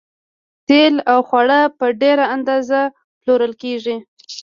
تیل او خواړه په ډیره اندازه پلورل کیږي